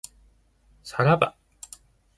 さらば